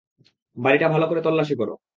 বাড়িটা ভালো করে তল্লাশি করো।